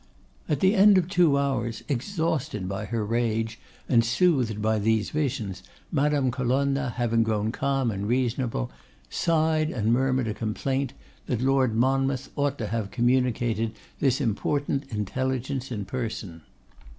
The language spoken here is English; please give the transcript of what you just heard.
At the end of two hours, exhausted by her rage and soothed by these visions, Madame Colonna having grown calm and reasonable, sighed and murmured a complaint, that Lord Monmouth ought to have communicated this important intelligence in person.